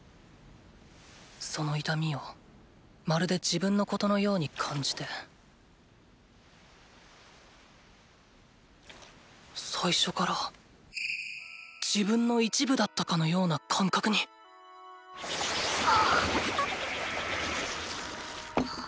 その痛みをまるで自分のことのように感じて最初から自分の一部だったかのような感覚にハ。